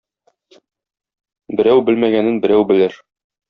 Берәү белмәгәнен берәү белер.